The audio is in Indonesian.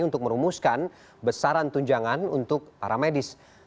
untuk merumuskan besaran tunjangan untuk para medis